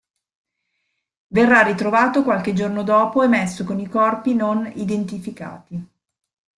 Verrà ritrovato qualche giorno dopo e messo con i corpi "non identificati".